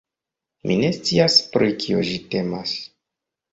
Mi ne scias pri kio ĝi temas